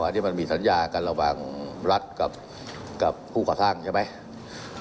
อันนี้มันมีสัญญากันระหว่างรัฐกับผู้ก่อสร้างใช่ไหม